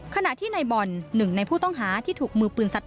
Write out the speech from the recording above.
ขณะที่ในบ่อนหนึ่งในผู้ต้องหาที่ถูกมือปืนสัด